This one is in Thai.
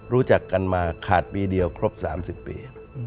รู้จักกันมาขาดปีเดียวครบ๓๐ปี